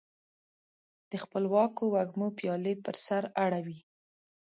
د خپلواکو وږمو پیالي پر سر اړوي